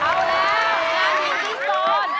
เอาแล้วงานยินดินโซน